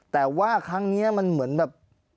แต่ว่าครั้งนี้มันเหมือนแบบ